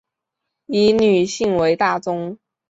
以女性为大宗